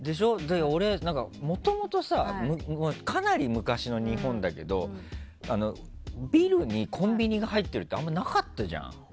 俺、もともとさかなり昔の日本だけどビルにコンビニが入ってるってあんまりなかったじゃん。